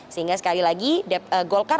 sehingga sekali lagi golkar